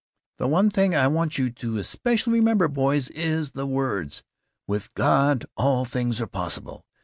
The one thing I want you to especially remember, boys, is the words, 'With God all things are possible.